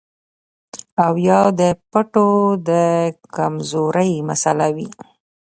او يا د پټو د کمزورۍ مسئله وي